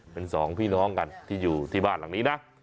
เป็นสองพี่น้องกันที่อยู่ที่บ้านหลังนี้นะ